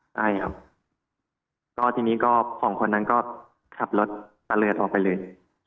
ใช่ครับก็ทีนี้ก็สองคนนั้นก็ขับรถตะเลิศออกไปเลย